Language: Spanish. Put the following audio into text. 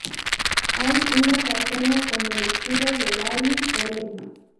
Hay una casona con el escudo de Lavín o Lerín.